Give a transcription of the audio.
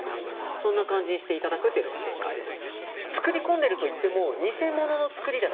そんな感じにしていただくのが正解です。